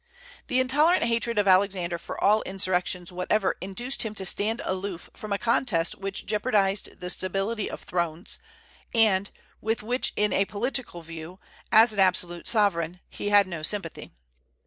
The intolerant hatred of Alexander for all insurrections whatever induced him to stand aloof from a contest which jeoparded the stability of thrones, and with which in a political view, as an absolute sovereign, he had no sympathy.